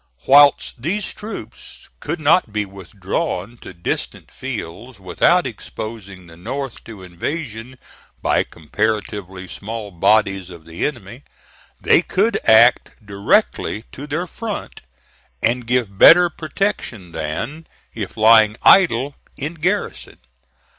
Whilst these troops could not be withdrawn to distant fields without exposing the North to invasion by comparatively small bodies of the enemy, they could act directly to their front, and give better protection than if lying idle in garrison.